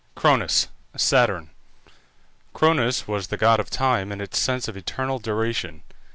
CRONUS (SATURN). Cronus was the god of time in its sense of eternal duration.